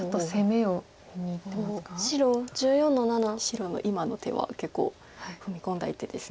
白の今の手は結構踏み込んだ一手です。